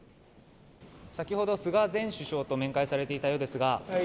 先ほど菅前首相と面会されていたようですが。